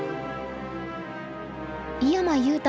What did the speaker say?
井山裕太